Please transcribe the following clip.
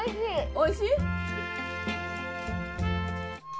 おいしい？